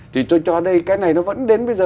thì tôi cho đây cái này nó vẫn đến bây giờ